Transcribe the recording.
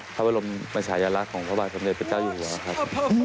ถ้าเวลามาฉายลักษณ์ของพระบาททำได้เป็นเจ้าอยู่หรือครับ